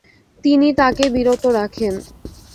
তিনি তাকে বিরত রাখেন।